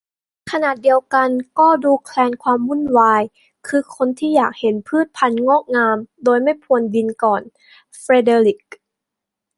ขณะเดียวกันก็ดูแคลนความวุ่นวาย คือคนที่อยากเห็นพืชพันธุ์งอกงามโดยไม่พรวนดินก่อน - เฟรเดอริค